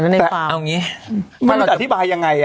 เดินอธิบายยังไง